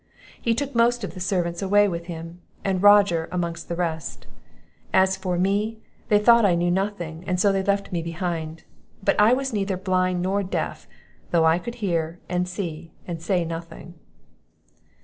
He took most of the servants away with him, and Roger among the rest. As for me, they thought I knew nothing, and so they left me behind; but I was neither blind nor deaf, though I could hear, and see, and say nothing."